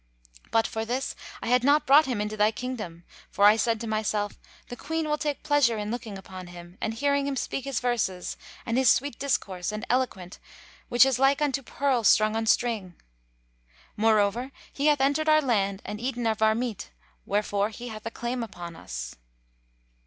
But for this, I had not brought him into thy kingdom; for I said to myself: 'The Queen will take pleasure in looking upon him, and hearing him speak his verses and his sweet discourse and eloquent which is like unto pearls strung on string.' Moreover, he hath entered our land and eaten of our meat; wherefore he hath a claim upon us."